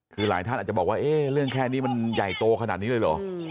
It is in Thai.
คือหลายท่านอาจจะบอกว่าเรื่องแค่นี้มันใหญ่โตขนาดนี้เลยเหรอ